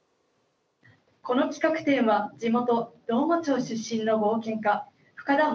この企画展は地元・どーも町出身の冒険家深田掘